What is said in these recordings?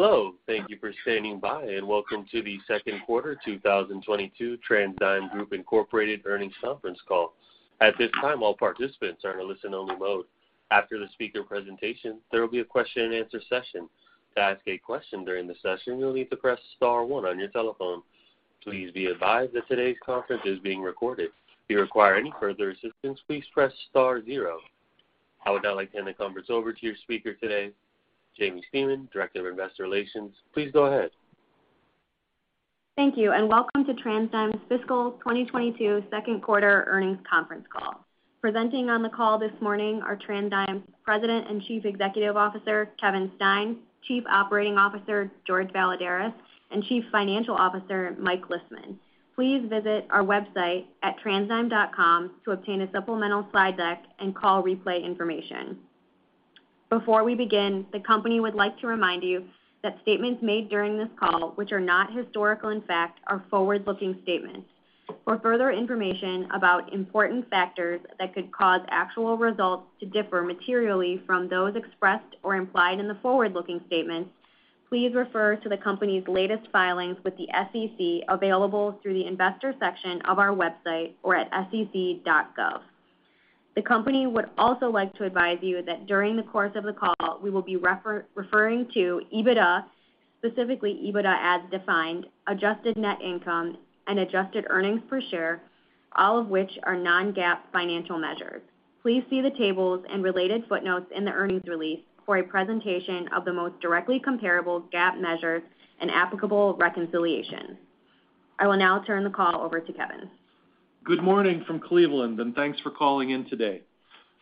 Hello, thank you for standing by, and welcome to the second quarter 2022 TransDigm Group Incorporated earnings conference call. At this time, all participants are in a listen-only mode. After the speaker presentation, there will be a question-and-answer session. To ask a question during the session, you'll need to press star one on your telephone. Please be advised that today's conference is being recorded. If you require any further assistance, please press star zero. I would now like to hand the conference over to your speaker today, Jaimie Stemen, Director of Investor Relations. Please go ahead. Thank you, and welcome to TransDigm's fiscal 2022 second quarter earnings conference call. Presenting on the call this morning are TransDigm's President and Chief Executive Officer, Kevin Stein; Chief Operating Officer, Jorge Valladares; and Chief Financial Officer, Mike Lisman. Please visit our website at transdigm.com to obtain a supplemental slide deck and call replay information. Before we begin, the company would like to remind you that statements made during this call which are not historical in fact are forward-looking statements. For further information about important factors that could cause actual results to differ materially from those expressed or implied in the forward-looking statements, please refer to the company's latest filings with the SEC available through the investor section of our website or at sec.gov. The company would also like to advise you that during the course of the call, we will be referring to EBITDA, specifically EBITDA as defined, adjusted net income, and adjusted earnings per share, all of which are non-GAAP financial measures. Please see the tables and related footnotes in the earnings release for a presentation of the most directly comparable GAAP measures and applicable reconciliation. I will now turn the call over to Kevin. Good morning from Cleveland, and thanks for calling in today.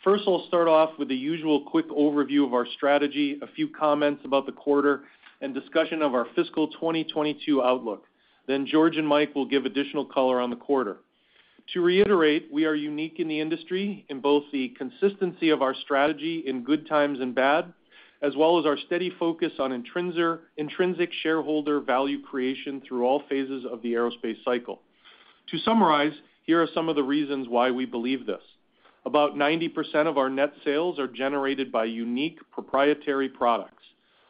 First, I'll start off with the usual quick overview of our strategy, a few comments about the quarter, and discussion of our fiscal 2022 outlook. Then Jorge and Mike will give additional color on the quarter. To reiterate, we are unique in the industry in both the consistency of our strategy in good times and bad, as well as our steady focus on intrinsic shareholder value creation through all phases of the aerospace cycle. To summarize, here are some of the reasons why we believe this. About 90% of our net sales are generated by unique proprietary products.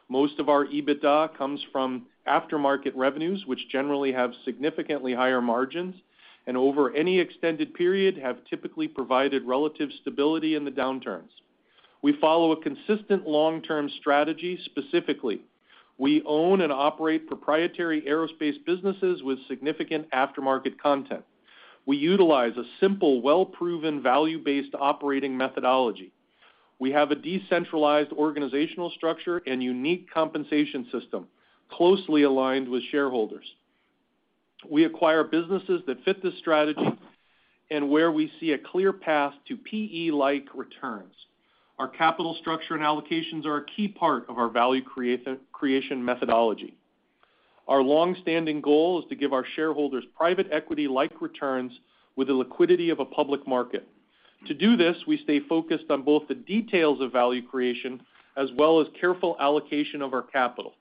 Most of our EBITDA comes from aftermarket revenues, which generally have significantly higher margins, and over any extended period have typically provided relative stability in the downturns. We follow a consistent long-term strategy. Specifically, we own and operate proprietary aerospace businesses with significant aftermarket content. We utilize a simple, well-proven, value-based operating methodology. We have a decentralized organizational structure and unique compensation system closely aligned with shareholders. We acquire businesses that fit this strategy and where we see a clear path to PE-like returns. Our capital structure and allocations are a key part of our value creation methodology. Our long-standing goal is to give our shareholders private equity-like returns with the liquidity of a public market. To do this, we stay focused on both the details of value creation as well as careful allocation of our capital.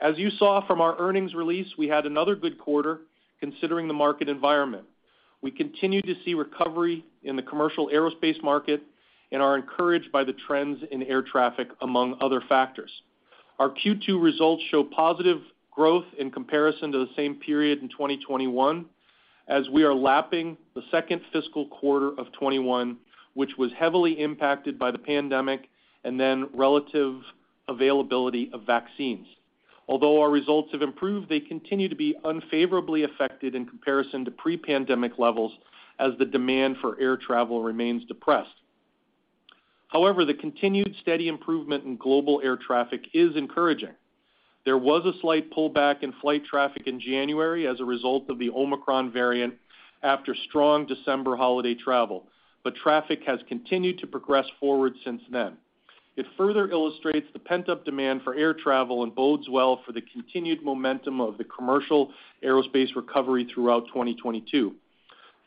As you saw from our earnings release, we had another good quarter considering the market environment. We continue to see recovery in the commercial aerospace market and are encouraged by the trends in air traffic, among other factors. Our Q2 results show positive growth in comparison to the same period in 2021, as we are lapping the second fiscal quarter of 2021, which was heavily impacted by the pandemic and then relative availability of vaccines. Although our results have improved, they continue to be unfavorably affected in comparison to pre-pandemic levels as the demand for air travel remains depressed. However, the continued steady improvement in global air traffic is encouraging. There was a slight pullback in flight traffic in January as a result of the Omicron variant after strong December holiday travel, but traffic has continued to progress forward since then. It further illustrates the pent-up demand for air travel and bodes well for the continued momentum of the commercial aerospace recovery throughout 2022.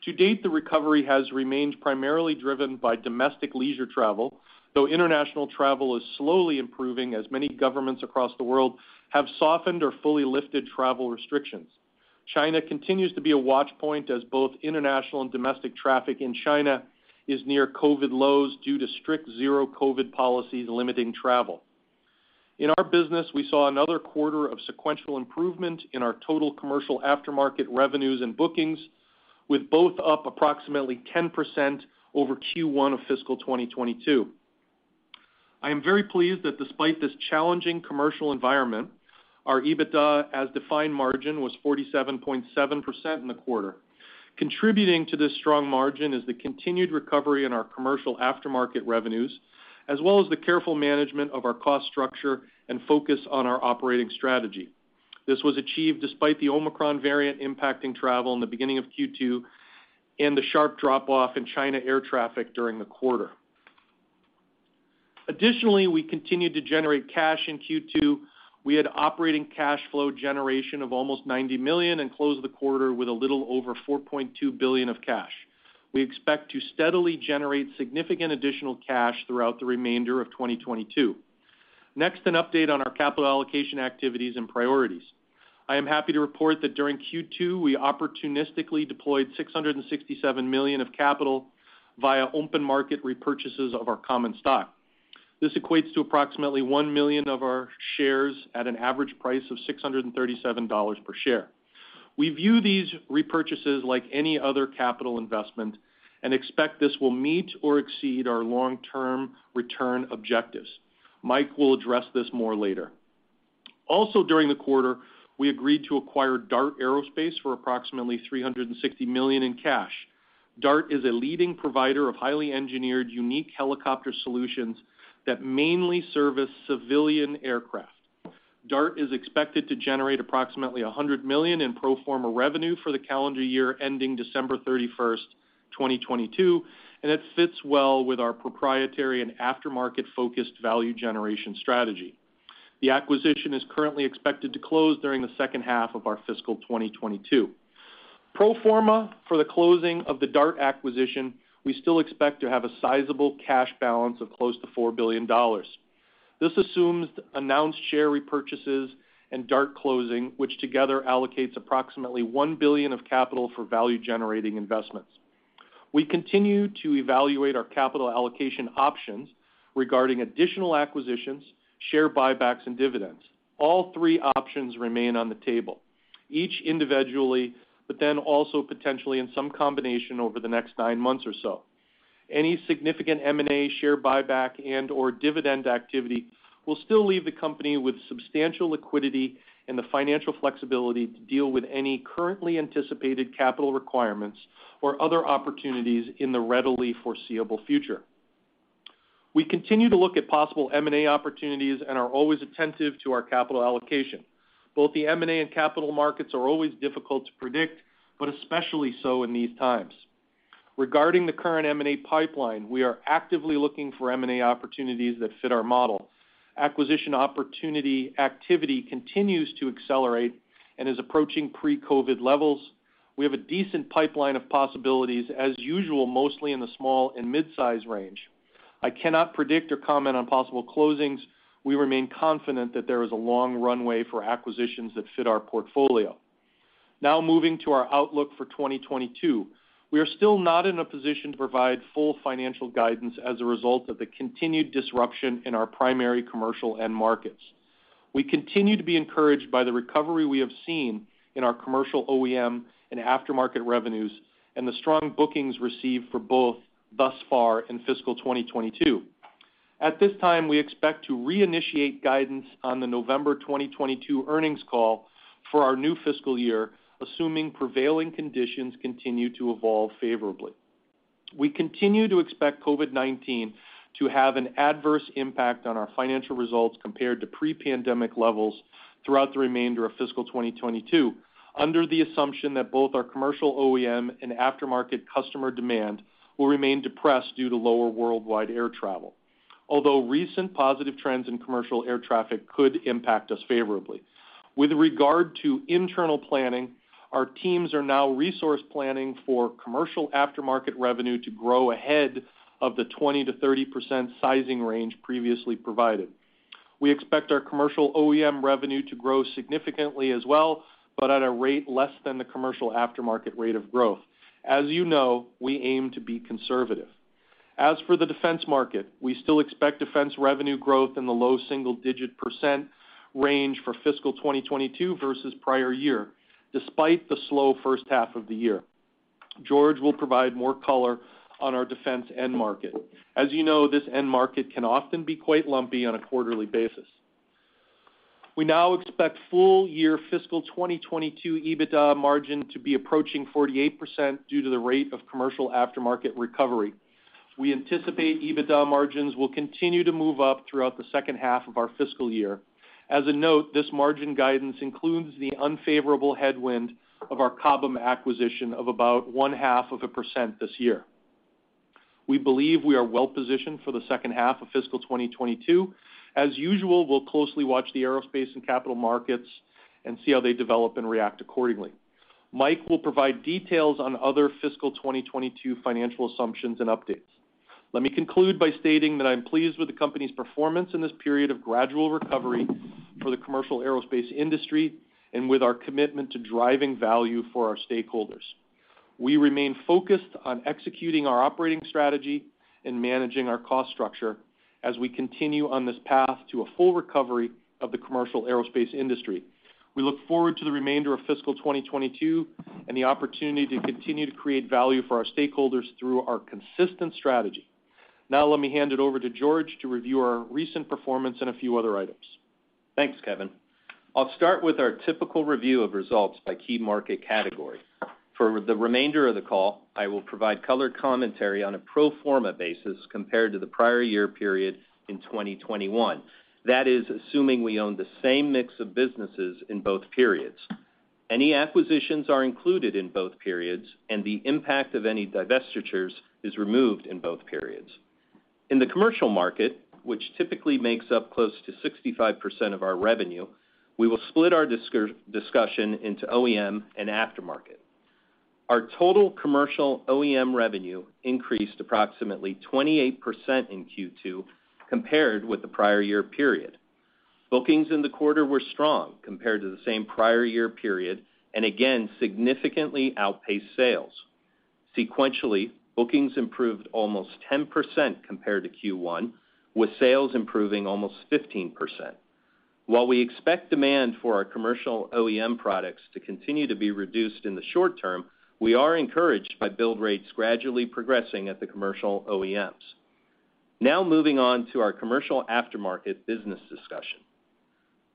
To date, the recovery has remained primarily driven by domestic leisure travel, though international travel is slowly improving as many governments across the world have softened or fully lifted travel restrictions. China continues to be a watch point as both international and domestic traffic in China is near COVID lows due to strict zero COVID policies limiting travel. In our business, we saw another quarter of sequential improvement in our total commercial aftermarket revenues and bookings, with both up approximately 10% over Q1 of fiscal 2022. I am very pleased that despite this challenging commercial environment, our EBITDA, as defined margin, was 47.7% in the quarter. Contributing to this strong margin is the continued recovery in our commercial aftermarket revenues as well as the careful management of our cost structure and focus on our operating strategy. This was achieved despite the Omicron variant impacting travel in the beginning of Q2 and the sharp drop-off in China air traffic during the quarter. Additionally, we continued to generate cash in Q2. We had operating cash flow generation of almost $90 million and closed the quarter with a little over $4.2 billion of cash. We expect to steadily generate significant additional cash throughout the remainder of 2022. Next, an update on our capital allocation activities and priorities. I am happy to report that during Q2, we opportunistically deployed $667 million of capital via open market repurchases of our common stock. This equates to approximately 1 million of our shares at an average price of $637 per share. We view these repurchases like any other capital investment and expect this will meet or exceed our long-term return objectives. Mike will address this more later. During the quarter, we agreed to acquire DART Aerospace for approximately $360 million in cash. DART Aerospace is a leading provider of highly engineered, unique helicopter solutions that mainly service civilian aircraft. DART Aerospace is expected to generate approximately $100 million in pro forma revenue for the calendar year ending December 31, 2022, and it fits well with our proprietary and aftermarket-focused value generation strategy. The acquisition is currently expected to close during the second half of our fiscal 2022. Pro forma for the closing of the DART Aerospace acquisition, we still expect to have a sizable cash balance of close to $4 billion. This assumes announced share repurchases and DART Aerospace closing, which together allocates approximately $1 billion of capital for value-generating investments. We continue to evaluate our capital allocation options regarding additional acquisitions, share buybacks, and dividends. All three options remain on the table, each individually, but then also potentially in some combination over the next nine months or so. Any significant M&A share buyback and/or dividend activity will still leave the company with substantial liquidity and the financial flexibility to deal with any currently anticipated capital requirements or other opportunities in the readily foreseeable future. We continue to look at possible M&A opportunities and are always attentive to our capital allocation. Both the M&A and capital markets are always difficult to predict, but especially so in these times. Regarding the current M&A pipeline, we are actively looking for M&A opportunities that fit our model. Acquisition opportunity activity continues to accelerate and is approaching pre-COVID levels. We have a decent pipeline of possibilities, as usual, mostly in the small and mid-size range. I cannot predict or comment on possible closings. We remain confident that there is a long runway for acquisitions that fit our portfolio. Now moving to our outlook for 2022. We are still not in a position to provide full financial guidance as a result of the continued disruption in our primary commercial end markets. We continue to be encouraged by the recovery we have seen in our commercial OEM and aftermarket revenues and the strong bookings received for both thus far in fiscal 2022. At this time, we expect to reinitiate guidance on the November 2022 earnings call for our new fiscal year, assuming prevailing conditions continue to evolve favorably. We continue to expect COVID-19 to have an adverse impact on our financial results compared to pre-pandemic levels throughout the remainder of fiscal 2022, under the assumption that both our commercial OEM and aftermarket customer demand will remain depressed due to lower worldwide air travel. Although recent positive trends in commercial air traffic could impact us favorably. With regard to internal planning, our teams are now resource planning for commercial aftermarket revenue to grow ahead of the 20%-30% sizing range previously provided. We expect our commercial OEM revenue to grow significantly as well, but at a rate less than the commercial aftermarket rate of growth. As you know, we aim to be conservative. As for the defense market, we still expect defense revenue growth in the low single-digit % range for fiscal 2022 versus prior year, despite the slow first half of the year. Jorge will provide more color on our defense end market. As you know, this end market can often be quite lumpy on a quarterly basis. We now expect full year fiscal 2022 EBITDA margin to be approaching 48% due to the rate of commercial aftermarket recovery. We anticipate EBITDA margins will continue to move up throughout the second half of our fiscal year. As a note, this margin guidance includes the unfavorable headwind of our Cobham acquisition of about 0.5% this year. We believe we are well-positioned for the second half of fiscal 2022. As usual, we'll closely watch the aerospace and capital markets and see how they develop and react accordingly. Mike will provide details on other fiscal 2022 financial assumptions and updates. Let me conclude by stating that I'm pleased with the company's performance in this period of gradual recovery for the commercial aerospace industry and with our commitment to driving value for our stakeholders. We remain focused on executing our operating strategy and managing our cost structure as we continue on this path to a full recovery of the commercial aerospace industry. We look forward to the remainder of fiscal 2022 and the opportunity to continue to create value for our stakeholders through our consistent strategy. Now let me hand it over to Jorge to review our recent performance and a few other items. Thanks, Kevin. I'll start with our typical review of results by key market category. For the remainder of the call, I will provide color commentary on a pro forma basis compared to the prior year period in 2021. That is, assuming we own the same mix of businesses in both periods. Any acquisitions are included in both periods, and the impact of any divestitures is removed in both periods. In the commercial market, which typically makes up close to 65% of our revenue, we will split our discussion into OEM and aftermarket. Our total commercial OEM revenue increased approximately 28% in Q2 compared with the prior year period. Bookings in the quarter were strong compared to the same prior year period, and again, significantly outpaced sales. Sequentially, bookings improved almost 10% compared to Q1, with sales improving almost 15%. While we expect demand for our commercial OEM products to continue to be reduced in the short term, we are encouraged by build rates gradually progressing at the commercial OEMs. Now moving on to our commercial aftermarket business discussion.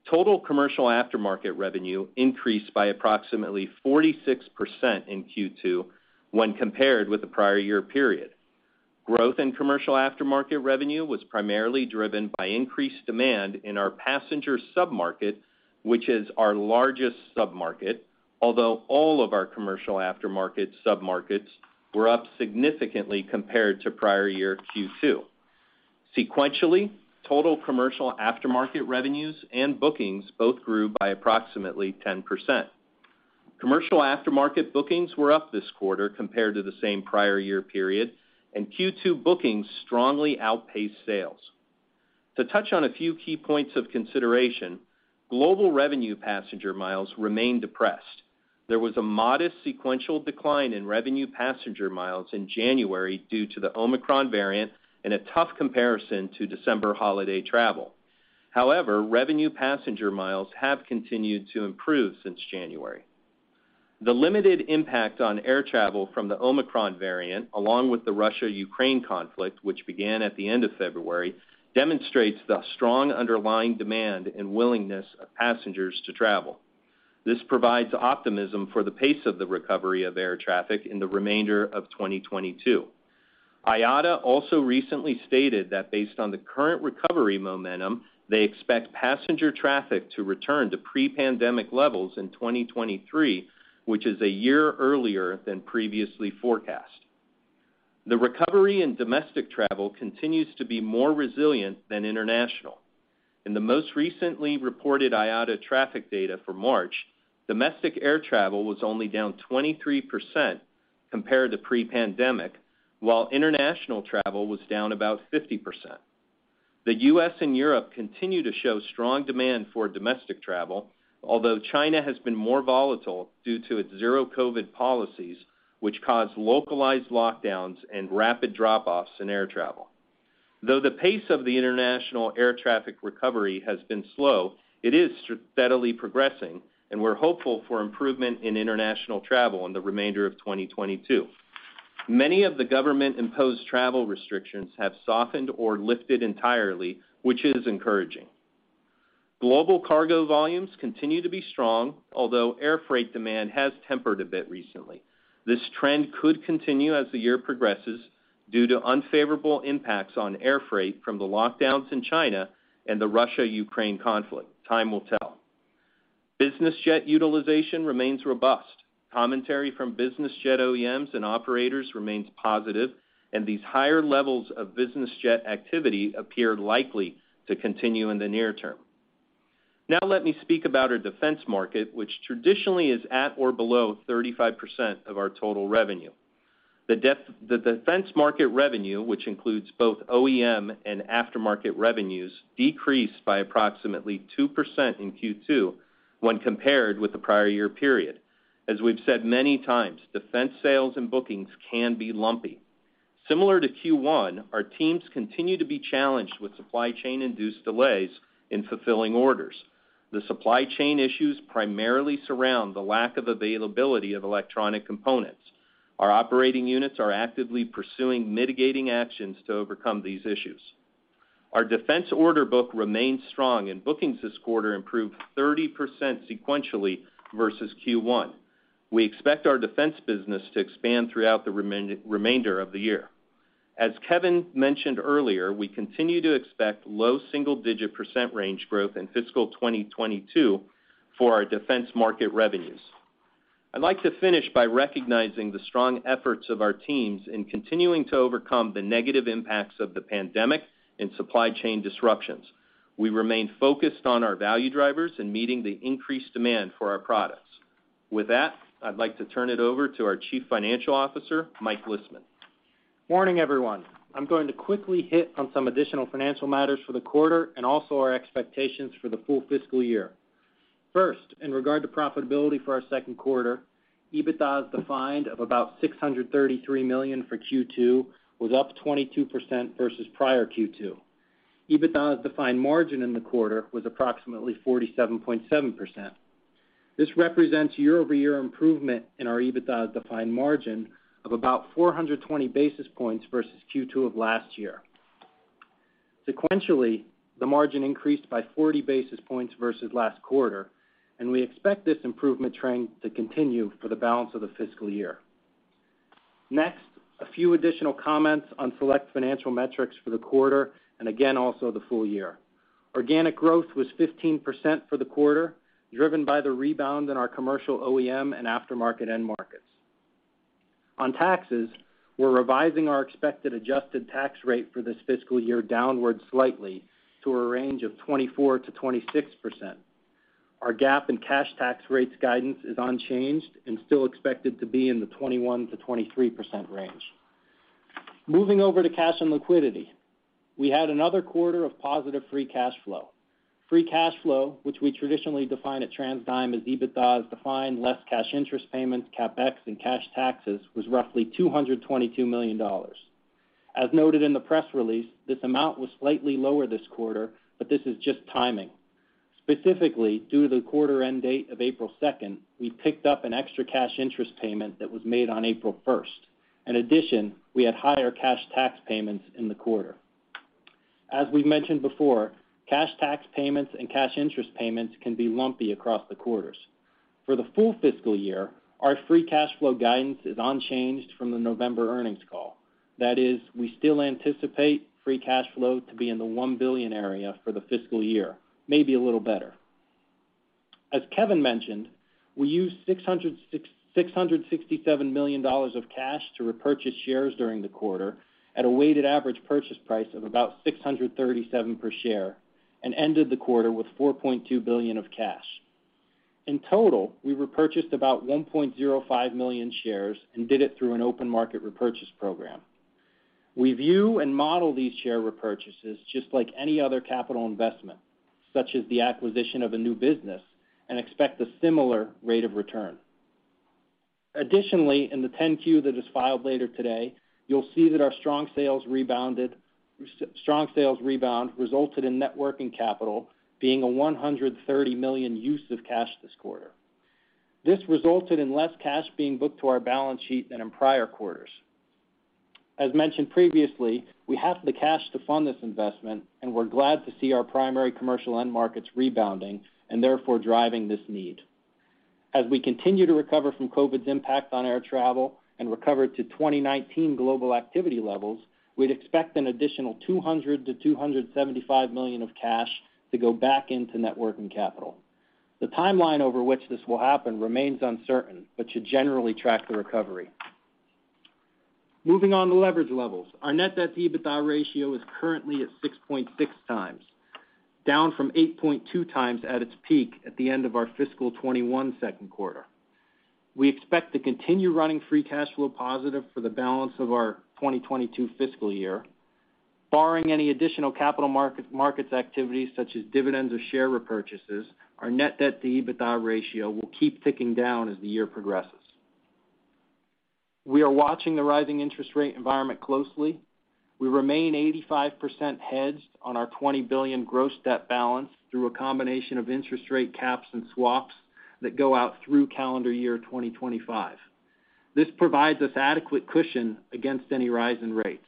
Total commercial aftermarket revenue increased by approximately 46% in Q2 when compared with the prior year period. Growth in commercial aftermarket revenue was primarily driven by increased demand in our passenger sub-market, which is our largest sub-market, although all of our commercial aftermarket sub-markets were up significantly compared to prior year Q2. Sequentially, total commercial aftermarket revenues and bookings both grew by approximately 10%. Commercial aftermarket bookings were up this quarter compared to the same prior year period, and Q2 bookings strongly outpaced sales. To touch on a few key points of consideration, global revenue passenger miles remained depressed. There was a modest sequential decline in revenue passenger miles in January due to the Omicron variant and a tough comparison to December holiday travel. However, revenue passenger miles have continued to improve since January. The limited impact on air travel from the Omicron variant, along with the Russia-Ukraine conflict, which began at the end of February, demonstrates the strong underlying demand and willingness of passengers to travel. This provides optimism for the pace of the recovery of air traffic in the remainder of 2022. IATA also recently stated that based on the current recovery momentum, they expect passenger traffic to return to pre-pandemic levels in 2023, which is a year earlier than previously forecast. The recovery in domestic travel continues to be more resilient than international. In the most recently reported IATA traffic data for March, domestic air travel was only down 23% compared to pre-pandemic, while international travel was down about 50%. The U.S. and Europe continue to show strong demand for domestic travel, although China has been more volatile due to its zero COVID policies, which cause localized lockdowns and rapid drop-offs in air travel. Though the pace of the international air traffic recovery has been slow, it is steadily progressing, and we're hopeful for improvement in international travel in the remainder of 2022. Many of the government-imposed travel restrictions have softened or lifted entirely, which is encouraging. Global cargo volumes continue to be strong, although air freight demand has tempered a bit recently. This trend could continue as the year progresses due to unfavorable impacts on air freight from the lockdowns in China and the Russia-Ukraine conflict. Time will tell. Business jet utilization remains robust. Commentary from business jet OEMs and operators remains positive, and these higher levels of business jet activity appear likely to continue in the near term. Now let me speak about our defense market, which traditionally is at or below 35% of our total revenue. The defense market revenue, which includes both OEM and aftermarket revenues, decreased by approximately 2% in Q2 when compared with the prior year period. As we've said many times, defense sales and bookings can be lumpy. Similar to Q1, our teams continue to be challenged with supply chain-induced delays in fulfilling orders. The supply chain issues primarily surround the lack of availability of electronic components. Our operating units are actively pursuing mitigating actions to overcome these issues. Our defense order book remains strong, and bookings this quarter improved 30% sequentially versus Q1. We expect our defense business to expand throughout the remainder of the year. As Kevin mentioned earlier, we continue to expect low single-digit % range growth in fiscal 2022 for our defense market revenues. I'd like to finish by recognizing the strong efforts of our teams in continuing to overcome the negative impacts of the pandemic and supply chain disruptions. We remain focused on our value drivers and meeting the increased demand for our products. With that, I'd like to turn it over to our Chief Financial Officer, Mike Lisman. Morning, everyone. I'm going to quickly hit on some additional financial matters for the quarter and also our expectations for the full fiscal year. First, in regard to profitability for our second quarter, EBITDA as Defined of about $633 million for Q2 was up 22% versus prior Q2. EBITDA as Defined margin in the quarter was approximately 47.7%. This represents year-over-year improvement in our EBITDA as Defined margin of about 420 basis points versus Q2 of last year. Sequentially, the margin increased by 40 basis points versus last quarter, and we expect this improvement trend to continue for the balance of the fiscal year. Next, a few additional comments on select financial metrics for the quarter, and again, also the full year. Organic growth was 15% for the quarter, driven by the rebound in our commercial OEM and aftermarket end markets. On taxes, we're revising our expected adjusted tax rate for this fiscal year downward slightly to a range of 24%-26%. Our GAAP and cash tax rates guidance is unchanged and still expected to be in the 21%-23% range. Moving over to cash and liquidity. We had another quarter of positive free cash flow. Free cash flow, which we traditionally define at TransDigm as EBITDA as defined less cash interest payments, CapEx, and cash taxes, was roughly $222 million. As noted in the press release, this amount was slightly lower this quarter, but this is just timing. Specifically, due to the quarter end date of April 2, we picked up an extra cash interest payment that was made on April 1. In addition, we had higher cash tax payments in the quarter. As we've mentioned before, cash tax payments and cash interest payments can be lumpy across the quarters. For the full fiscal year, our free cash flow guidance is unchanged from the November earnings call. That is, we still anticipate free cash flow to be in the $1 billion area for the fiscal year, maybe a little better. As Kevin mentioned, we used $667 million of cash to repurchase shares during the quarter at a weighted average purchase price of about $637 per share, and ended the quarter with $4.2 billion of cash. In total, we repurchased about 1.05 million shares and did it through an open market repurchase program. We view and model these share repurchases just like any other capital investment, such as the acquisition of a new business, and expect a similar rate of return. Additionally, in the 10-Q that is filed later today, you'll see that our strong sales rebound resulted in net working capital being a $130 million use of cash this quarter. This resulted in less cash being booked to our balance sheet than in prior quarters. As mentioned previously, we have the cash to fund this investment, and we're glad to see our primary commercial end markets rebounding and therefore driving this need. As we continue to recover from COVID-19's impact on air travel and recover to 2019 global activity levels, we'd expect an additional $200 million-$275 million of cash to go back into net working capital. The timeline over which this will happen remains uncertain, but should generally track the recovery. Moving on to leverage levels. Our net debt-to-EBITDA ratio is currently at 6.6 times, down from 8.2 times at its peak at the end of our fiscal 2021 second quarter. We expect to continue running free cash flow positive for the balance of our 2022 fiscal year. Barring any additional capital markets activities such as dividends or share repurchases, our net debt-to-EBITDA ratio will keep ticking down as the year progresses. We are watching the rising interest rate environment closely. We remain 85% hedged on our $20 billion gross debt balance through a combination of interest rate caps and swaps that go out through calendar year 2025. This provides us adequate cushion against any rise in rates.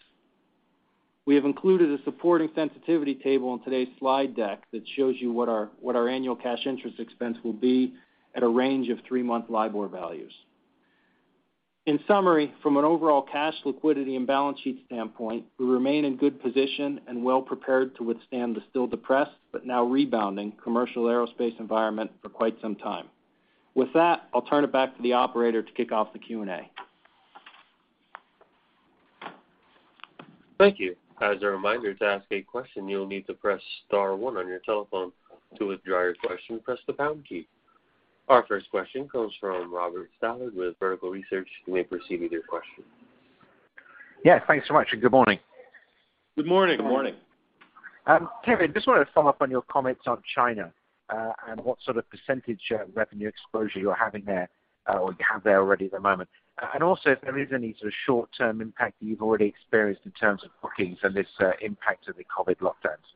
We have included a supporting sensitivity table in today's slide deck that shows you what our annual cash interest expense will be at a range of three-month LIBOR values. In summary, from an overall cash liquidity and balance sheet standpoint, we remain in good position and well prepared to withstand the still depressed but now rebounding commercial aerospace environment for quite some time. With that, I'll turn it back to the operator to kick off the Q&A. Thank you. As a reminder, to ask a question, you'll need to press star one on your telephone. To withdraw your question, press the pound key. Our first question comes from Robert Stallard with Vertical Research. You may proceed with your question. Yeah. Thanks so much, and good morning. Good morning. Good morning. Kevin, just wanted to follow up on your comments on China, and what sort of percentage revenue exposure you're having there, or you have there already at the moment. Also, if there is any sort of short-term impact that you've already experienced in terms of bookings and this impact of the COVID lockdowns?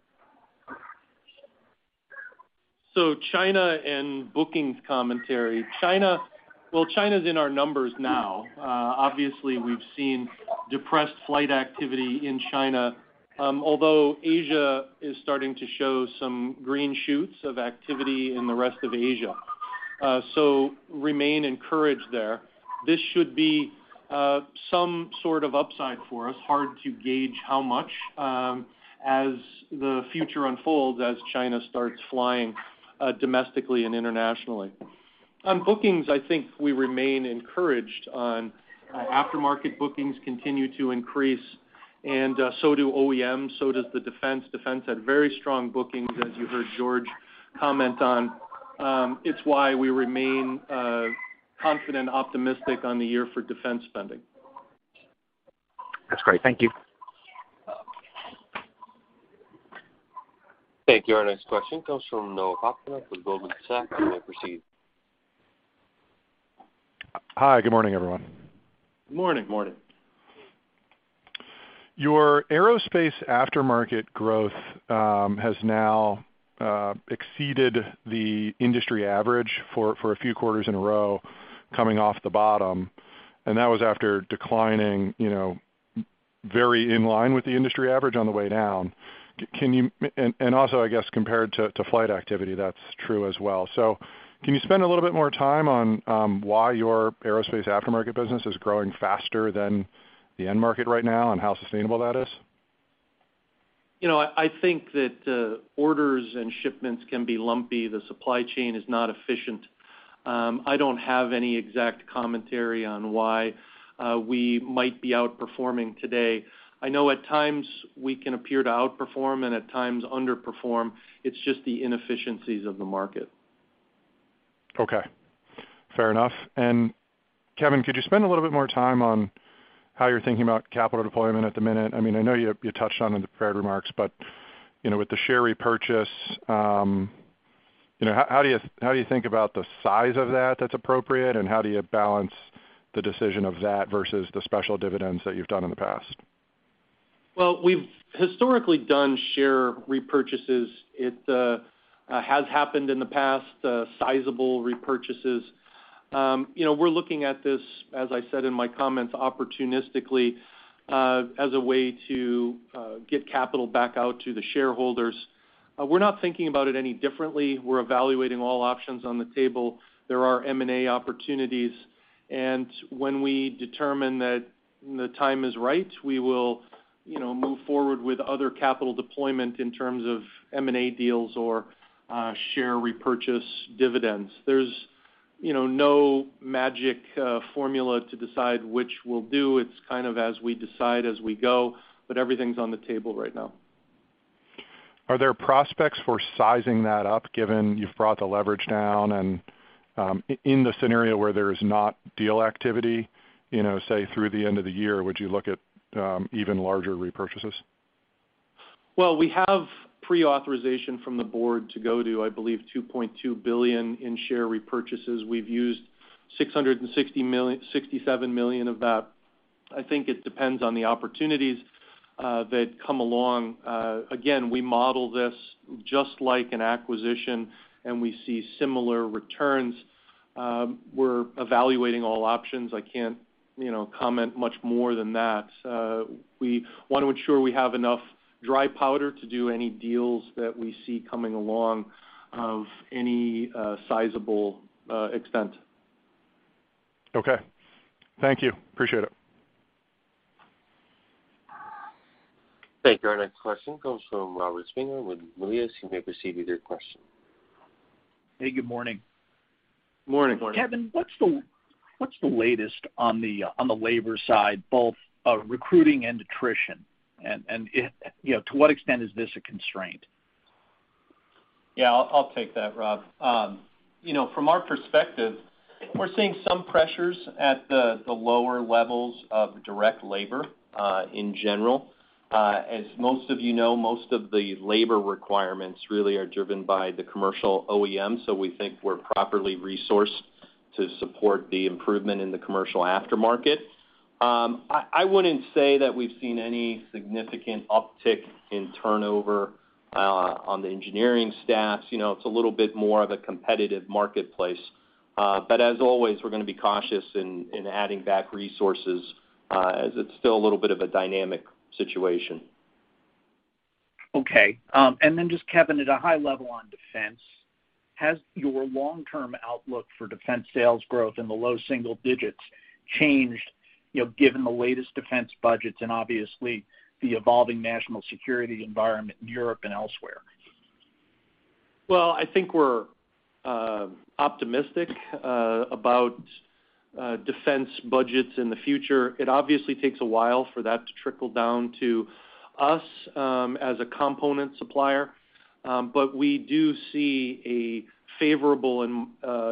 China and bookings commentary. Well, China's in our numbers now. Obviously, we've seen depressed flight activity in China, although Asia is starting to show some green shoots of activity in the rest of Asia, so remain encouraged there. This should be some sort of upside for us. Hard to gauge how much, as the future unfolds, as China starts flying domestically and internationally. On bookings, I think we remain encouraged on aftermarket bookings continue to increase and so do OEMs, so does the defense. Defense had very strong bookings, as you heard Jorge comment on. It's why we remain confident, optimistic on the year for defense spending. That's great. Thank you. Thank you. Our next question comes from Noah Poponak with Goldman Sachs. You may proceed. Hi. Good morning, everyone. Good morning. Good morning. Your aerospace aftermarket growth has now exceeded the industry average for a few quarters in a row coming off the bottom, and that was after declining, you know, very in line with the industry average on the way down. Also, I guess, compared to flight activity, that's true as well. Can you spend a little bit more time on why your aerospace aftermarket business is growing faster than the end market right now and how sustainable that is? You know, I think that orders and shipments can be lumpy. The supply chain is not efficient. I don't have any exact commentary on why we might be outperforming today. I know at times we can appear to outperform and at times underperform. It's just the inefficiencies of the market. Okay. Fair enough. Kevin, could you spend a little bit more time on how you're thinking about capital deployment at the minute? I mean, I know you touched on it in the prepared remarks, but you know, with the share repurchase, you know, how do you think about the size of that that's appropriate, and how do you balance the decision of that versus the special dividends that you've done in the past? Well, we've historically done share repurchases. It has happened in the past, sizable repurchases. You know, we're looking at this, as I said in my comments, opportunistically, as a way to get capital back out to the shareholders. We're not thinking about it any differently. We're evaluating all options on the table. There are M&A opportunities, and when we determine that the time is right, we will, you know, move forward with other capital deployment in terms of M&A deals or share repurchase dividends. There's, you know, no magic formula to decide which we'll do. It's kind of as we decide as we go, but everything's on the table right now. Are there prospects for sizing that up, given you've brought the leverage down and, in the scenario where there is not deal activity, you know, say through the end of the year, would you look at even larger repurchases? We have pre-authorization from the board to go to, I believe, $2.2 billion in share repurchases. We've used $667 million of that. I think it depends on the opportunities that come along. Again, we model this just like an acquisition, and we see similar returns. We're evaluating all options. I can't, you know, comment much more than that. We wanna ensure we have enough dry powder to do any deals that we see coming along of any sizable extent. Okay. Thank you. Appreciate it. Thank you. Our next question comes from Robert Spingarn with Melius Research. You may proceed with your question. Hey, good morning. Morning. Kevin, what's the latest on the labor side, both recruiting and attrition? You know, to what extent is this a constraint? Yeah, I'll take that, Rob. You know, from our perspective, we're seeing some pressures at the lower levels of direct labor in general. As most of you know, most of the labor requirements really are driven by the commercial OEM, so we think we're properly resourced to support the improvement in the commercial aftermarket. I wouldn't say that we've seen any significant uptick in turnover on the engineering staff. You know, it's a little bit more of a competitive marketplace. As always, we're gonna be cautious in adding back resources, as it's still a little bit of a dynamic situation. Kevin, at a high level on defense, has your long-term outlook for defense sales growth in the low single digits changed, you know, given the latest defense budgets and obviously the evolving national security environment in Europe and elsewhere? Well, I think we're optimistic about defense budgets in the future. It obviously takes a while for that to trickle down to us as a component supplier, but we do see a favorable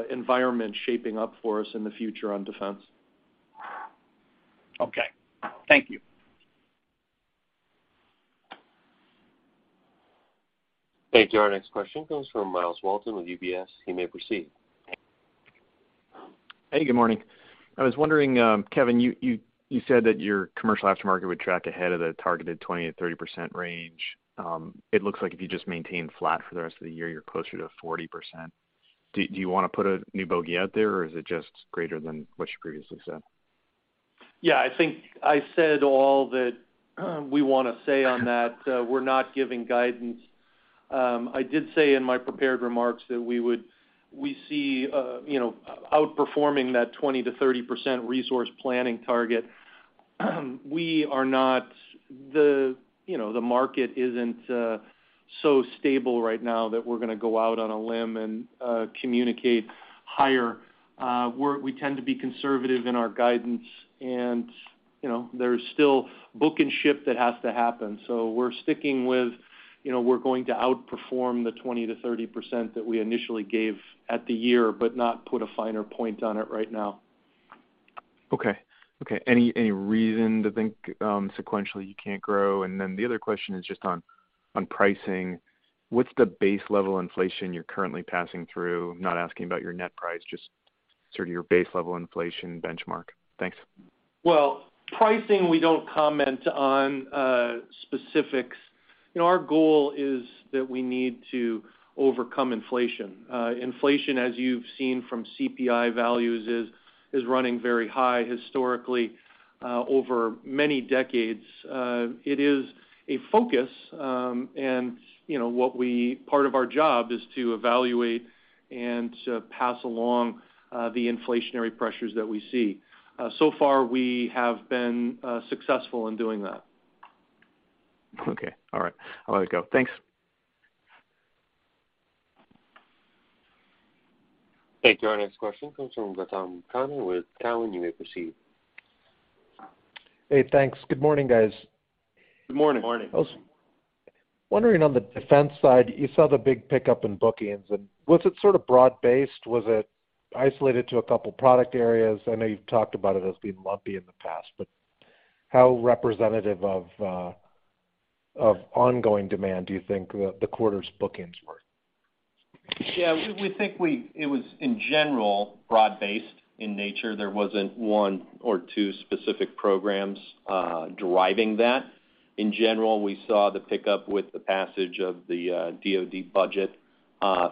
environment shaping up for us in the future on defense. Okay. Thank you. Thank you. Our next question comes from Myles Walton with UBS. He may proceed. Hey, good morning. I was wondering, Kevin, you said that your commercial aftermarket would track ahead of the targeted 20%-30% range. It looks like if you just maintain flat for the rest of the year, you're closer to 40%. Do you wanna put a new bogey out there, or is it just greater than what you previously said? Yeah. I think I said all that we wanna say on that. We're not giving guidance. I did say in my prepared remarks that we see, you know, outperforming that 20%-30% resource planning target. We are not. You know, the market isn't so stable right now that we're gonna go out on a limb and communicate higher. We tend to be conservative in our guidance and, you know, there's still book and ship that has to happen. We're sticking with, you know, we're going to outperform the 20%-30% that we initially gave at the year but not put a finer point on it right now. Okay. Any reason to think sequentially you can't grow? The other question is just on pricing. What's the base level inflation you're currently passing through? Not asking about your net price, just sort of your base level inflation benchmark. Thanks. Well, pricing, we don't comment on specifics. You know, our goal is that we need to overcome inflation. Inflation, as you've seen from CPI values, is running very high historically over many decades. It is a focus, and you know, part of our job is to evaluate and pass along the inflationary pressures that we see. So far we have been successful in doing that. Okay. All right. I'll let it go. Thanks. Thank you. Our next question comes from Gautam Khanna with Cowen. You may proceed. Hey, thanks. Good morning, guys. Good morning. Morning. I was wondering on the defense side, you saw the big pickup in bookings, and was it sort of broad-based? Was it isolated to a couple product areas? I know you've talked about it as being lumpy in the past, but how representative of ongoing demand do you think the quarter's bookings were? Yeah, we think it was, in general, broad-based in nature. There wasn't one or two specific programs driving that. In general, we saw the pickup with the passage of the DoD budget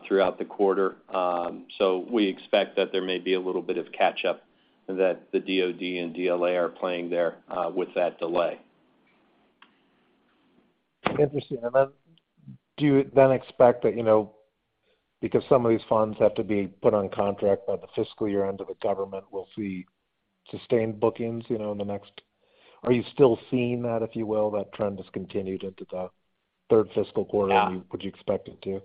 throughout the quarter. We expect that there may be a little bit of catch-up that the DoD and DLA are playing there with that delay. Interesting. Do you then expect that, you know, because some of these funds have to be put on contract by the fiscal year end of the government, we'll see sustained bookings, you know, in the next. Are you still seeing that, if you will, that trend has continued into the third fiscal quarter. Yeah. Would you expect it to?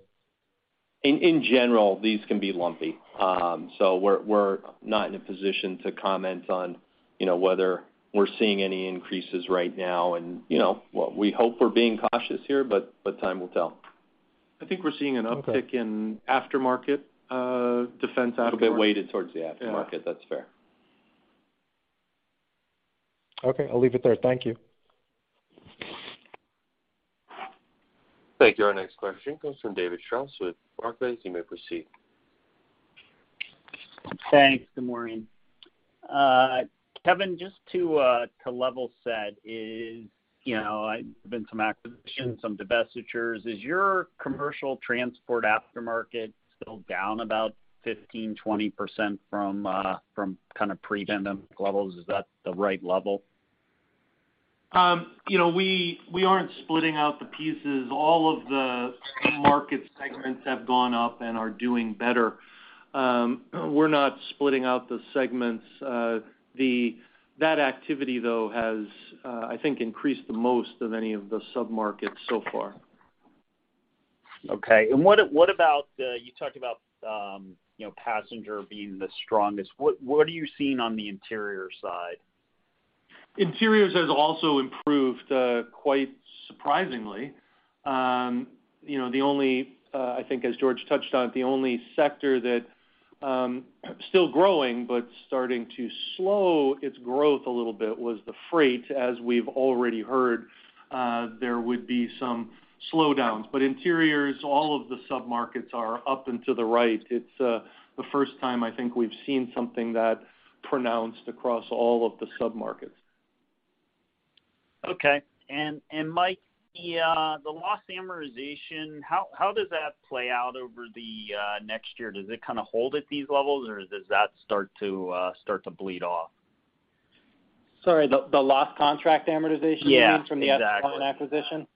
In general, these can be lumpy. We're not in a position to comment on, you know, whether we're seeing any increases right now and, you know, we hope we're being cautious here, but time will tell. I think we're seeing an uptick in aftermarket, defense aftermarket. A bit weighted towards the aftermarket. Yeah. That's fair. Okay, I'll leave it there. Thank you. Thank you. Our next question comes from David Strauss with Barclays. You may proceed. Thanks. Good morning. Kevin, just to level set, you know, there's been some acquisitions, some divestitures. Is your commercial transport aftermarket still down about 15%-20% from kind of pre-pandemic levels? Is that the right level? You know, we aren't splitting out the pieces. All of the market segments have gone up and are doing better. We're not splitting out the segments. That activity, though, has, I think, increased the most of any of the submarkets so far. Okay. What about the, you talked about, you know, passenger being the strongest. What are you seeing on the interior side? Interiors has also improved quite surprisingly. You know, the only, I think as Jorge touched on, the only sector that still growing but starting to slow its growth a little bit was the freight. As we've already heard, there would be some slowdowns. Interiors, all of the submarkets are up and to the right. It's the first time I think we've seen something that pronounced across all of the submarkets. Okay. Mike, the loss amortization, how does that play out over the next year? Does it kind of hold at these levels, or does that start to bleed off? Sorry, the lost contract amortization. Yeah. -you mean from the- Exactly. -acquisition?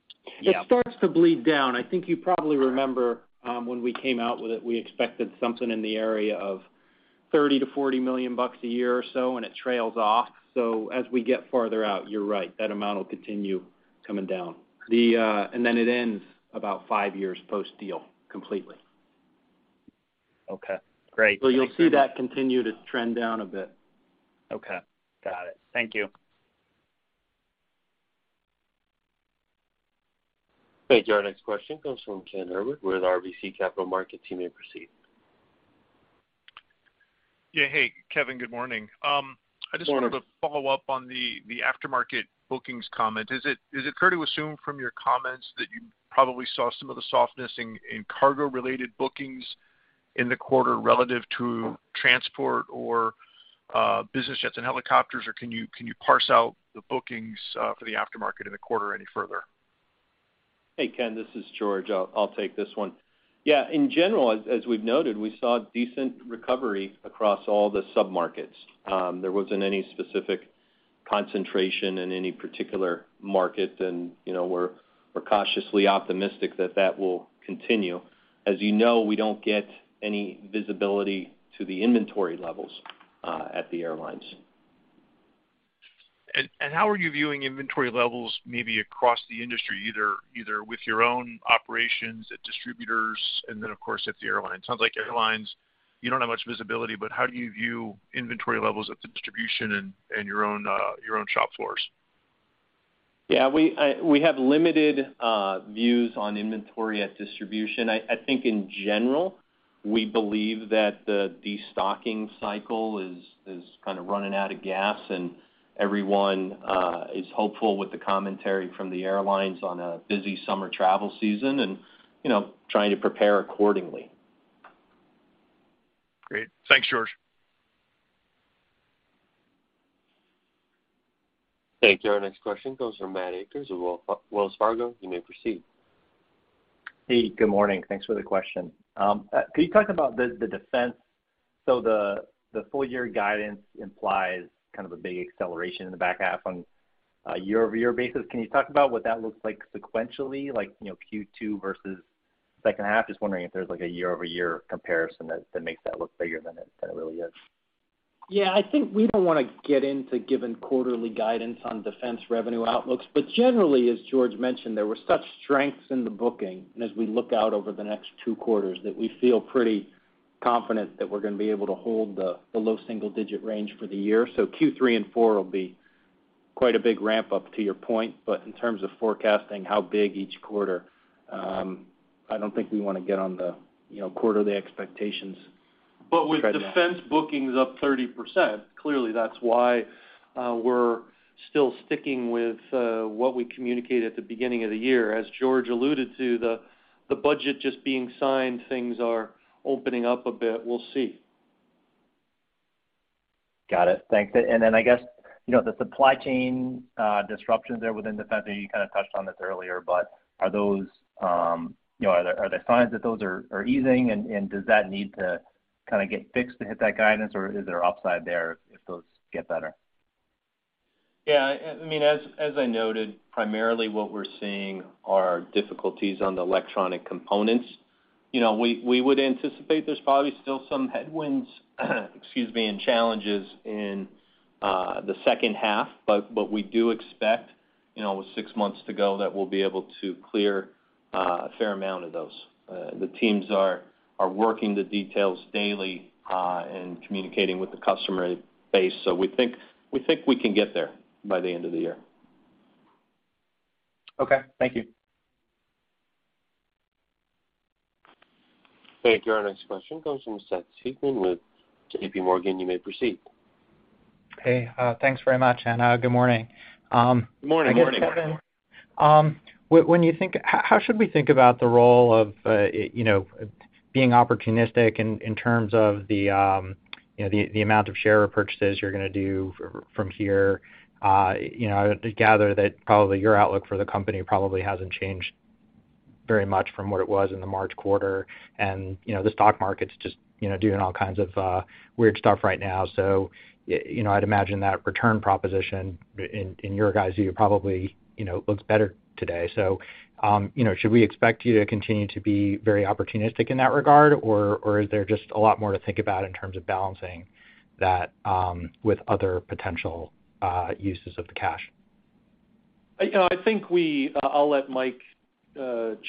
Yeah. It starts to bleed down. I think you probably remember, when we came out with it, we expected something in the area of $30 million-$40 million a year or so, and it trails off. As we get farther out, you're right, that amount will continue coming down. It ends about five years post-deal completely. Okay, great. You'll see that continue to trend down a bit. Okay, got it. Thank you. Thank you. Our next question comes from Ken Herbert with RBC Capital Markets. You may proceed. Yeah. Hey, Kevin. Good morning. Good morning. I just wanted to follow up on the aftermarket bookings comment. Is it fair to assume from your comments that you probably saw some of the softness in cargo-related bookings in the quarter relative to transport or business jets and helicopters? Can you parse out the bookings for the aftermarket in the quarter any further? Hey, Ken Herbert, this is Jorge Valladares. I'll take this one. Yeah, in general, as we've noted, we saw decent recovery across all the submarkets. There wasn't any specific concentration in any particular market. You know, we're cautiously optimistic that will continue. As you know, we don't get any visibility to the inventory levels at the airlines. How are you viewing inventory levels maybe across the industry, either with your own operations at distributors and then, of course, at the airlines? Sounds like airlines, you don't have much visibility, but how do you view inventory levels at the distribution and your own shop floors? Yeah, we have limited views on inventory at distribution. I think in general, we believe that the destocking cycle is kind of running out of gas, and everyone is hopeful with the commentary from the airlines on a busy summer travel season and, you know, trying to prepare accordingly. Great. Thanks, Jorge. Thank you. Our next question comes from Matt Akers of Wells Fargo. You may proceed. Hey, good morning. Thanks for the question. Can you talk about the defense? The full year guidance implies kind of a big acceleration in the back half on a year-over-year basis. Can you talk about what that looks like sequentially, like, you know, Q2 versus second half? Just wondering if there's like a year-over-year comparison that makes that look bigger than it really is. Yeah, I think we don't wanna get into giving quarterly guidance on defense revenue outlooks. Generally, as George mentioned, there were such strengths in the booking, and as we look out over the next two quarters, that we feel pretty confident that we're gonna be able to hold the low single digit range for the year. Q3 and four will be quite a big ramp-up to your point. In terms of forecasting how big each quarter, I don't think we wanna get on the, you know, quarterly expectations. With defense bookings up 30%, clearly that's why we're still sticking with what we communicated at the beginning of the year. As Jorge Valladares alluded to, the budget just being signed, things are opening up a bit. We'll see. Got it. Thanks. Then I guess, you know, the supply chain disruptions there within defense, I know you kinda touched on this earlier, but are those, you know, are there signs that those are easing and does that need to kinda get fixed to hit that guidance, or is there upside there if those get better? Yeah. I mean, as I noted, primarily what we're seeing are difficulties on the electronic components. You know, we would anticipate there's probably still some headwinds, excuse me, and challenges in the second half, but we do expect, you know, with six months to go, that we'll be able to clear a fair amount of those. The teams are working the details daily and communicating with the customer base. So we think we can get there by the end of the year. Okay. Thank you. Thank you. Our next question comes from Seth Seifman with JPMorgan. You may proceed. Hey, thanks very much, and good morning. Good morning. Morning. I guess, Kevin, when you think how should we think about the role of you know being opportunistic in terms of you know the amount of share repurchases you're gonna do from here? You know, I gather that probably your outlook for the company probably hasn't changed very much from what it was in the March quarter. You know, the stock market's just you know doing all kinds of weird stuff right now. You know, I'd imagine that return proposition in your guys' view probably you know looks better today. You know, should we expect you to continue to be very opportunistic in that regard, or is there just a lot more to think about in terms of balancing that with other potential uses of the cash? You know, I think I'll let Mike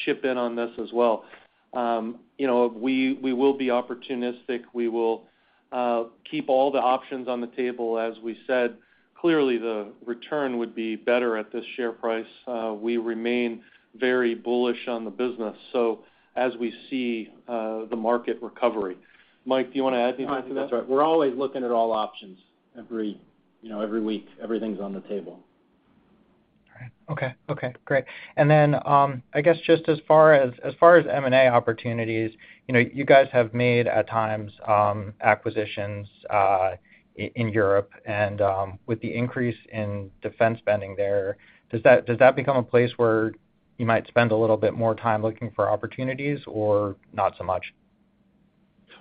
chip in on this as well. You know, we will be opportunistic. We will keep all the options on the table. As we said, clearly the return would be better at this share price. We remain very bullish on the business, so as we see the market recovery. Mike, do you wanna add anything to that? No, I think that's right. We're always looking at all options every, you know, every week. Everything's on the table. All right. Okay. Okay, great. I guess just as far as M&A opportunities, you know, you guys have made, at times, acquisitions in Europe. With the increase in defense spending there, does that become a place where you might spend a little bit more time looking for opportunities or not so much?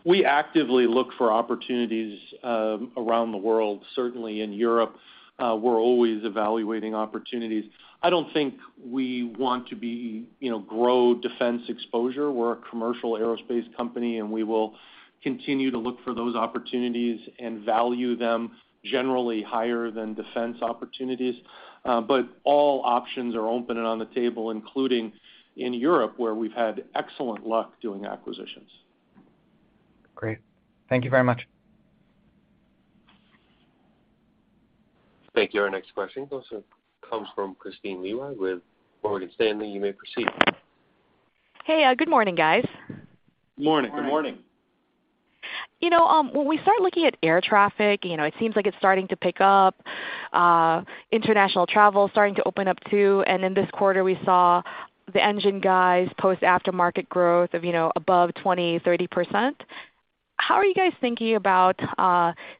We actively look for opportunities around the world. Certainly in Europe, we're always evaluating opportunities. I don't think we want to grow defense exposure. We're a commercial aerospace company, and we will continue to look for those opportunities and value them generally higher than defense opportunities. All options are open and on the table, including in Europe, where we've had excellent luck doing acquisitions. Great. Thank you very much. Thank you. Our next question goes or comes from Kristine Liwag with Morgan Stanley. You may proceed. Hey, good morning, guys. Morning. Good morning. You know, when we start looking at air traffic, you know, it seems like it's starting to pick up. International travel starting to open up too, and in this quarter we saw the engine guys post aftermarket growth of, you know, above 20-30%. How are you guys thinking about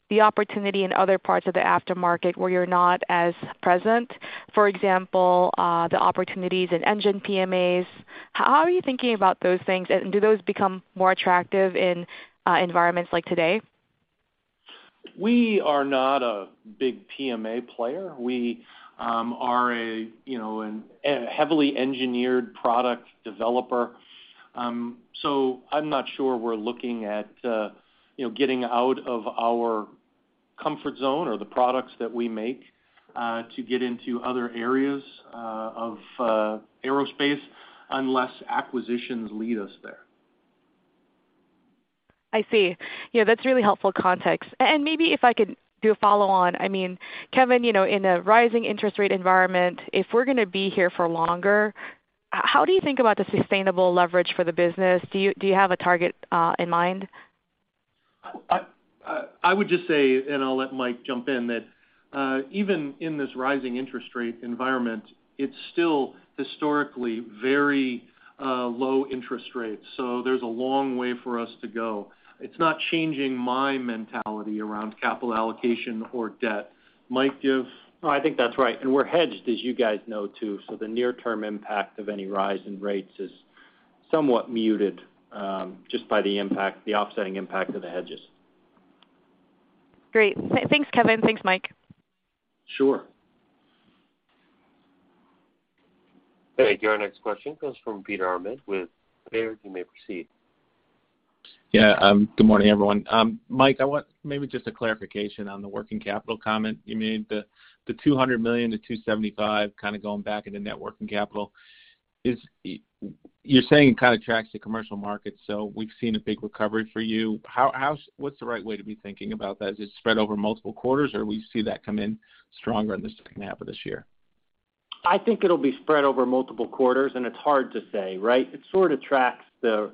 the opportunity in other parts of the aftermarket where you're not as present? For example, the opportunities in engine PMAs. How are you thinking about those things? Do those become more attractive in environments like today? We are not a big PMA player. We are, you know, a heavily engineered product developer. I'm not sure we're looking at, you know, getting out of our comfort zone or the products that we make to get into other areas of aerospace unless acquisitions lead us there. I see. Yeah, that's really helpful context. Maybe if I could do a follow on. I mean, Kevin, you know, in a rising interest rate environment, if we're gonna be here for longer, how do you think about the sustainable leverage for the business? Do you have a target in mind? I would just say, and I'll let Mike jump in, that even in this rising interest rate environment, it's still historically very low interest rates, so there's a long way for us to go. It's not changing my mentality around capital allocation or debt. Mike, do you have- No, I think that's right. We're hedged, as you guys know too, so the near term impact of any rise in rates is somewhat muted, just by the impact, the offsetting impact of the hedges. Great. Thanks, Kevin. Thanks, Mike. Sure. Thank you. Our next question comes from Peter Arment with Baird. You may proceed. Yeah. Good morning, everyone. Mike, I want maybe just a clarification on the working capital comment you made. The $200 million-$275 million kinda going back into net working capital. You're saying it kinda tracks the commercial market, so we've seen a big recovery for you. What's the right way to be thinking about that? Is it spread over multiple quarters, or we see that come in stronger in the second half of this year? I think it'll be spread over multiple quarters, and it's hard to say, right? It sort of tracks the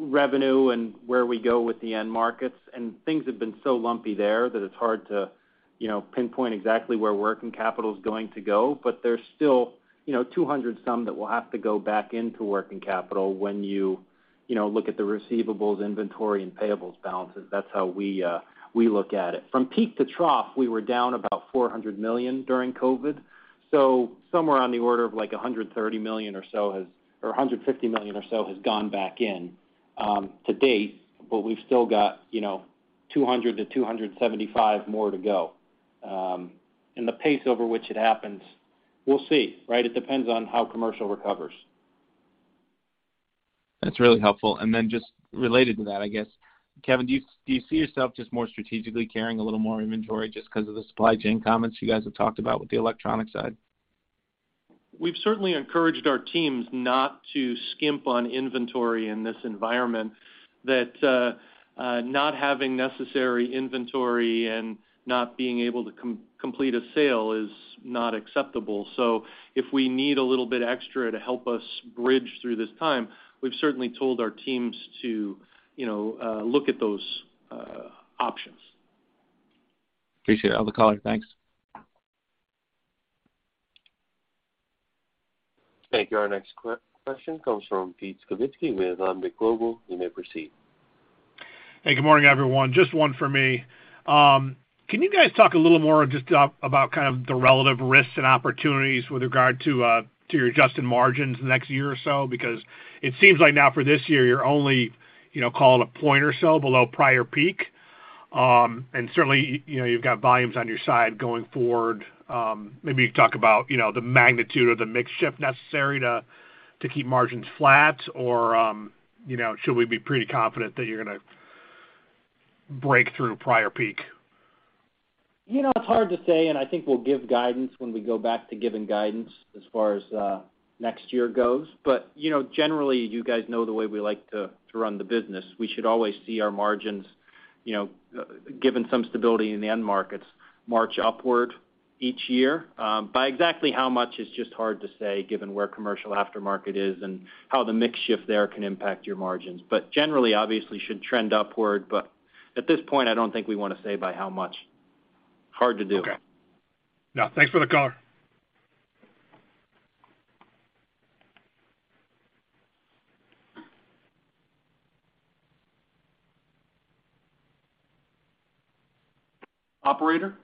revenue and where we go with the end markets, and things have been so lumpy there that it's hard to, you know, pinpoint exactly where working capital is going to go. There's still, you know, 200 some that will have to go back into working capital when you know, look at the receivables inventory and payables balances. That's how we look at it. From peak to trough, we were down about $400 million during COVID, so somewhere on the order of, like, $130 million or so or $150 million or so has gone back in to date, but we've still got, you know, $200-$275 more to go. The pace over which it happens, we'll see, right? It depends on how commercial recovers. That's really helpful. Just related to that, I guess, Kevin, do you see yourself just more strategically carrying a little more inventory just 'cause of the supply chain comments you guys have talked about with the electronic side? We've certainly encouraged our teams not to skimp on inventory in this environment that not having necessary inventory and not being able to complete a sale is not acceptable. If we need a little bit extra to help us bridge through this time, we've certainly told our teams to, you know, look at those options. Appreciate it. Other caller. Thanks. Thank you. Our next question comes from Pete Skibitski with Alembic Global Advisors. You may proceed. Hey, good morning, everyone. Just one for me. Can you guys talk a little more just about kind of the relative risks and opportunities with regard to your adjusted margins the next year or so? Because it seems like now for this year, you're only, you know, calling a point or so below prior peak. Certainly, you know, you've got volumes on your side going forward. Maybe you can talk about, you know, the magnitude or the mix shift necessary to keep margins flat or, you know, should we be pretty confident that you're gonna break through prior peak? You know, it's hard to say, and I think we'll give guidance when we go back to giving guidance as far as next year goes. You know, generally, you guys know the way we like to run the business. We should always see our margins, you know, given some stability in the end markets, march upward each year. By exactly how much is just hard to say given where commercial aftermarket is and how the mix shift there can impact your margins. Generally, obviously should trend upward, but at this point, I don't think we wanna say by how much. Hard to do. Okay. No, thanks for the call. Operator?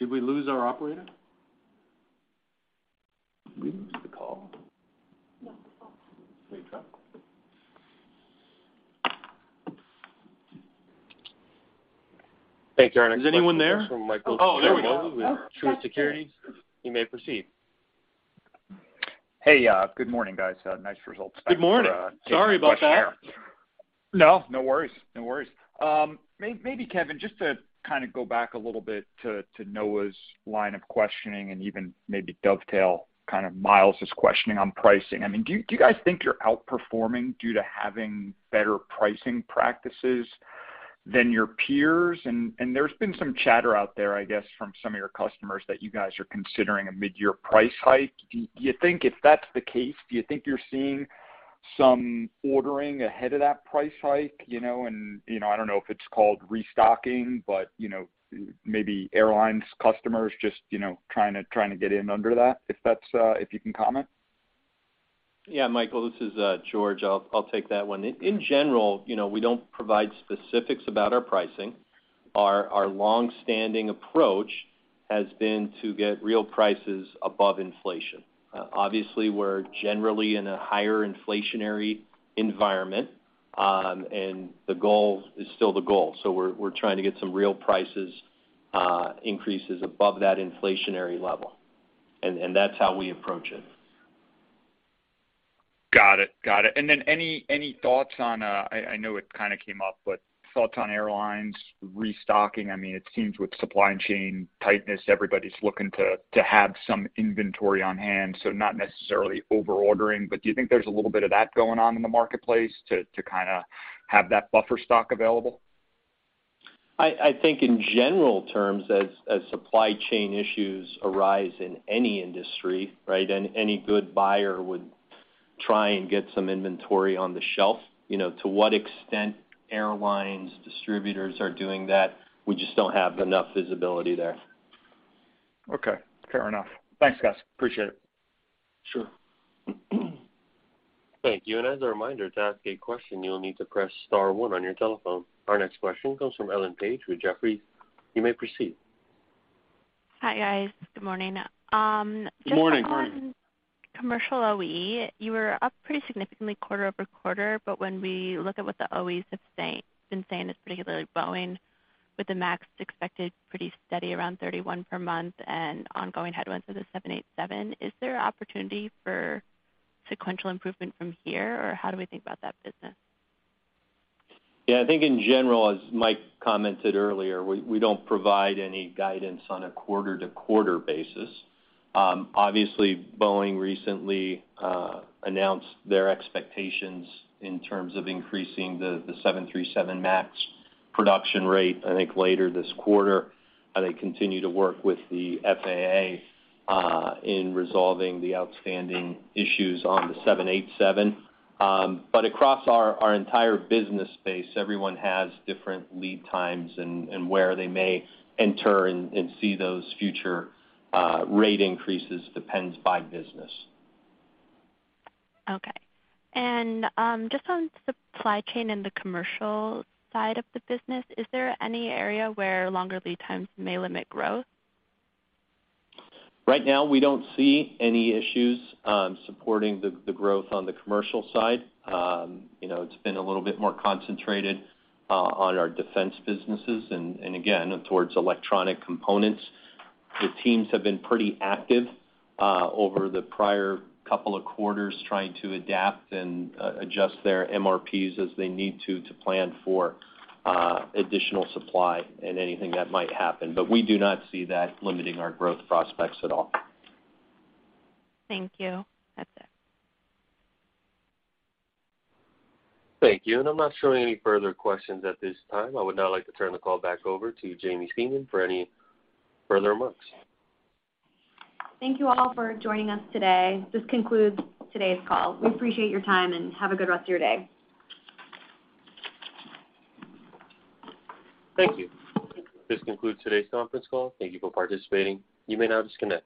Did we lose our operator? Did we lose the call? No, it's off. Let me try. Thank you. Our next question. Is anyone there? Comes from Michael with Truist Securities. You may proceed. Hey, good morning, guys. Nice results. Good morning. Sorry about that. here. No worries. Maybe Kevin, just to kinda go back a little bit to Noah's line of questioning and even maybe dovetail kind of Myles' questioning on pricing. I mean, do you guys think you're outperforming due to having better pricing practices than your peers? And there's been some chatter out there, I guess, from some of your customers that you guys are considering a midyear price hike. Do you think if that's the case, do you think you're seeing some ordering ahead of that price hike? You know, and I don't know if it's called restocking, but you know, maybe airlines customers just you know trying to get in under that, if that's if you can comment. Yeah, Michael, this is George. I'll take that one. In general, you know, we don't provide specifics about our pricing. Our longstanding approach has been to get real prices above inflation. Obviously, we're generally in a higher inflationary environment, and the goal is still the goal. We're trying to get some real prices increases above that inflationary level. That's how we approach it. Got it. Any thoughts on, I know it kinda came up, but thoughts on airlines restocking. I mean, it seems with supply chain tightness, everybody's looking to have some inventory on hand, so not necessarily overordering. But do you think there's a little bit of that going on in the marketplace to kinda have that buffer stock available? I think in general terms, as supply chain issues arise in any industry, right, and any good buyer would try and get some inventory on the shelf. You know, to what extent airlines, distributors are doing that, we just don't have enough visibility there. Okay, fair enough. Thanks, guys. Appreciate it. Sure. Thank you. As a reminder, to ask a question, you'll need to press star one on your telephone. Our next question comes from Sheila Kahyaoglu with Jefferies. You may proceed. Hi, guys. Good morning. Good morning. Commercial OE, you were up pretty significantly quarter-over-quarter, but when we look at what the OEs have been saying, it's particularly Boeing with the Max expected pretty steady around 31 per month and ongoing headwinds with the 787. Is there opportunity for sequential improvement from here, or how do we think about that business? Yeah, I think in general, as Mike commented earlier, we don't provide any guidance on a quarter-to-quarter basis. Obviously Boeing recently announced their expectations in terms of increasing the 737 MAX production rate, I think later this quarter, as they continue to work with the FAA in resolving the outstanding issues on the 787. Across our entire business space, everyone has different lead times and where they may enter and see those future rate increases depends by business. Okay. Just on supply chain and the commercial side of the business, is there any area where longer lead times may limit growth? Right now we don't see any issues supporting the growth on the commercial side. You know, it's been a little bit more concentrated on our defense businesses and again, towards electronic components. The teams have been pretty active over the prior couple of quarters trying to adapt and adjust their MRPs as they need to plan for additional supply and anything that might happen. But we do not see that limiting our growth prospects at all. Thank you. That's it. Thank you. I'm not showing any further questions at this time. I would now like to turn the call back over to Jaimie Stemen for any further remarks. Thank you all for joining us today. This concludes today's call. We appreciate your time, and have a good rest of your day. Thank you. This concludes today's conference call. Thank you for participating. You may now disconnect.